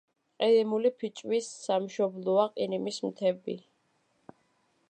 ყირიმული ფიჭვის სამშობლოა ყირიმის მთები.